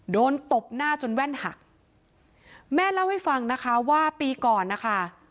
ตบหน้าจนแว่นหักแม่เล่าให้ฟังนะคะว่าปีก่อนนะคะ